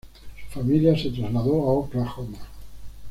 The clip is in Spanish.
Su familia se trasladó a Oklahoma.